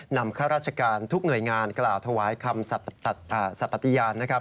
นำข้าราชการทุกหน่วยงานกล่าวถวายคำสัตว์ปัตยาน